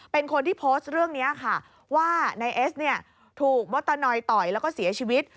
เป็นคนที่โพสต์เรื่องนี้ค่ะว่านายเอสเนี่ยถูกมดตะนอยต่อยแล้วก็เสียชีวิต